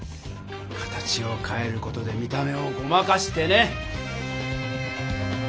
形をかえる事で見た目をごまかしてね！